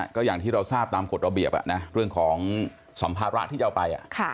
ก็อย่างที่เราทราบตามกฎระเบียบนะเรื่องของสัมภาระที่จะเอาไป